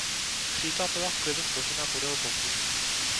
Křídla byla v klidu složena podél boků.